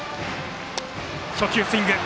初球スイング。